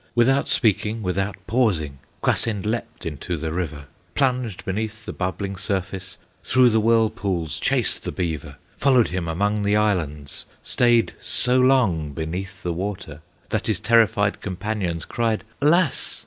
Without speaking, without pausing, Kwasind leaped into the river, Plunged beneath the bubbling surface, Through the whirlpools chased the beaver, Followed him among the islands, Stayed so long beneath the water, That his terrified companions Cried, "Alas!